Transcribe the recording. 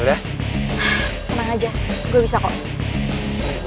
tenang aja gua bisa kok